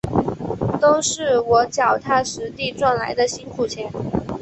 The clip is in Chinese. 都是我脚踏实地赚来的辛苦钱